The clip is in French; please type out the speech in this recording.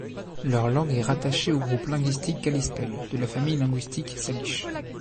Leur langue est rattachée au groupe linguistique Kalispel, de la famille linguistique salish.